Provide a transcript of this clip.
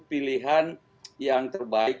pilihan yang terbaik